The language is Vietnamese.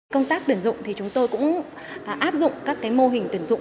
công tác tuyển dụng thì chúng tôi cũng áp dụng các mô hình tuyển dụng